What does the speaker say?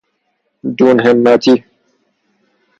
دون همتی